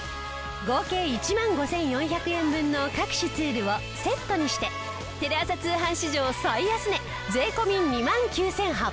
合計１万５４００円分の各種ツールをセットにしてテレ朝通販史上最安値税込２万９８００円。